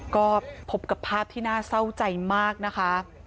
ก็พบกับภาพที่น่าเศร้าใจมากนะคะ